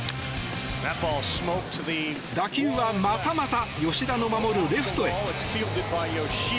打球はまたまた吉田の守るレフトへ。